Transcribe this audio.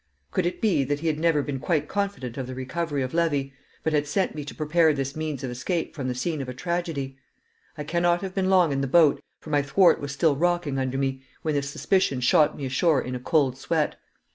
Could it be that he had never been quite confident of the recovery of Levy, but had sent me to prepare this means of escape from the scene of a tragedy? I cannot have been long in the boat, for my thwart was still rocking under me, when this suspicion shot me ashore in a cold sweat.